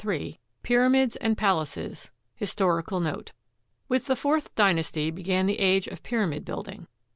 Ill PYRAMIDS AND PALACES HISTORICAL NOTE With the Fourth Dynasty began the age of pyramid build ing.